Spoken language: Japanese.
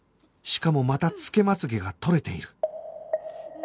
しかもまたつけまつげが取れている